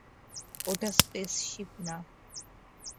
ওটা স্পেসশিপ না।